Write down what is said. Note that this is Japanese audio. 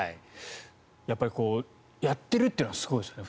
やっぱりやっているというのがすごいですよね。